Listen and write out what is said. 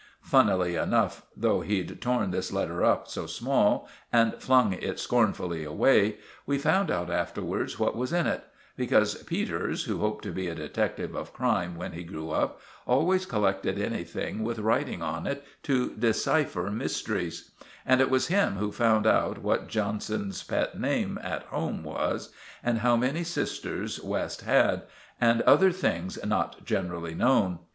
Funnily enough, though he'd torn this letter up so small and flung it scornfully away, we found out afterwards what was in it; because Peters, who hoped to be a detective of crime when he grew up, always collected anything with writing on it to decipher mysteries; and it was him who found out what Johnson's pet name at home was, and how many sisters West had, and other things not generally known.